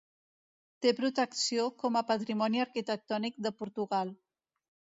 Té protecció com a Patrimoni Arquitectònic de Portugal.